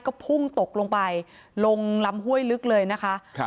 ก็พุ่งตกลงไปลงลำห้วยลึกเลยนะคะครับ